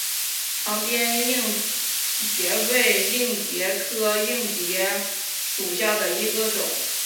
长蝠硬蜱为硬蜱科硬蜱属下的一个种。